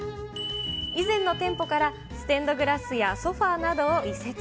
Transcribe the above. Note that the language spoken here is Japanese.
以前の店舗からステンドグラスやソファなどを移設。